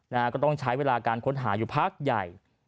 นะฮะก็ต้องใช้เวลาการค้นหาอยู่พักใหญ่